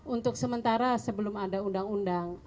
untuk sementara sebelum ada undang undang